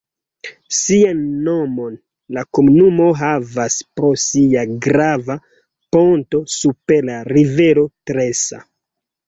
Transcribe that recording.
Sian nomon la komunumo havas pro sia grava ponto super la rivero Tresa.